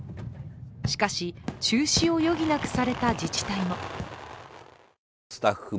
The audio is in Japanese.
しかし、中止を余儀なくされた自治体も。